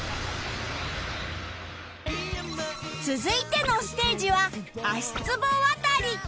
続いてのステージは足ツボ渡り